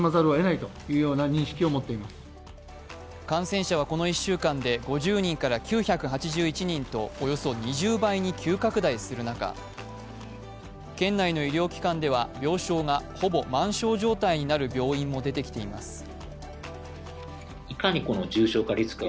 感染者はこの１週間で５０人から９８１人とおよそ２０倍に急拡大する中県内の医療機関では病床がほぼ満床になる病院も出てきています。